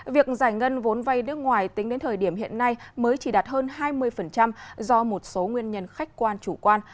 việc giải ngân vốn vay nước ngoài tính đến thời điểm hiện nay mới chỉ đạt hơn hai mươi do một số nguyên nhân khách quan chủ quan